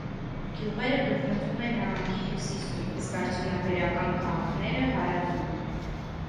Գյուղերը գտնվում է նահանգի հյուսիսում, իսկ արդյունաբերական քաղաքները հարավում։